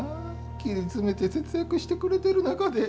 切り詰めて節約してくれてる中で。